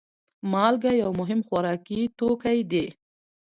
مالګه یو مهم خوراکي توکی دی.